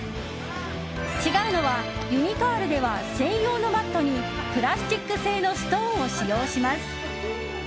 違うのは、ユニカールでは専用のマットにプラスチック製のストーンを使用します。